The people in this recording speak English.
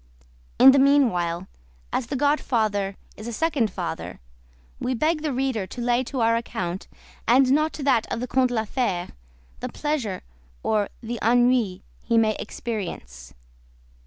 In the meanwhile, as the godfather is a second father, we beg the reader to lay to our account, and not to that of the Comte de la Fère, the pleasure or the ennui he may experience.